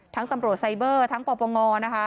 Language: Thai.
ทั้งตำรวจไซเบอร์ทั้งปปง